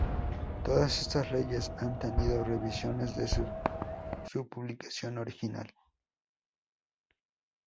Todas estas leyes han tenido revisiones desde su publicación original.